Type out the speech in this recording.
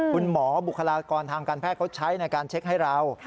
คุณหมอบุคลากรทางการแพทย์เขาใช้ในการเช็คให้เรา